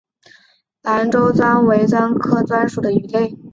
兰州鲇为鲇科鲇属的鱼类。